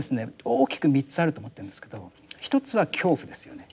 大きく３つあると思ってるんですけど一つは恐怖ですよね。